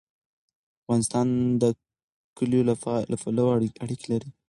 افغانستان د کلیو له پلوه اړیکې لري.